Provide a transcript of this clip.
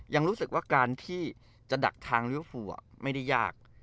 ยังรู้สึกว่าการที่จะดักทางลิเวอร์ฟูไม่ได้ยาก